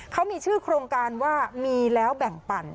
เขามีชื่อโครงการว่ามีแล้วแบ่งปั่น